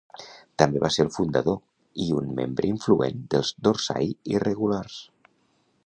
També va ser el fundador i un membre influent dels Dorsai Irregulars.